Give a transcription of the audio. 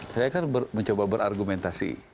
saya kan mencoba berargumentasi